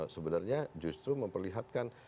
sebenarnya justru memperlihatkan